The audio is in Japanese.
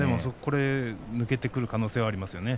抜けてくる可能性がありますよね